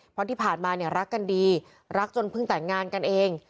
เพราะที่ผ่านมาเนี่ยรักกันดีรักจนเพิ่งแต่งงานกันเอง